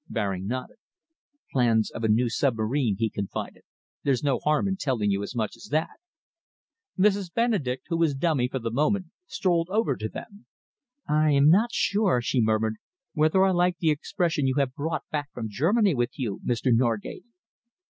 Baring nodded. "Plans of a new submarine," he confided. "There's no harm in telling you as much as that." Mrs. Benedek, who was dummy for the moment, strolled over to them. "I am not sure," she murmured, "whether I like the expression you have brought back from Germany with you, Mr. Norgate."